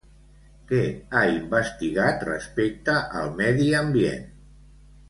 Què ha investigat respecte al medi ambient?